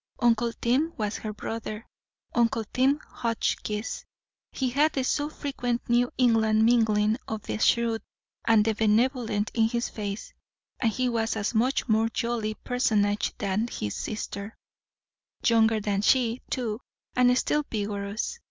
Uncle Tim was her brother; Uncle Tim Hotchkiss. He had the so frequent New England mingling of the shrewd and the benevolent in his face; and he was a much more jolly personage than his sister; younger than she, too, and still vigorous.